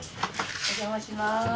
お邪魔します。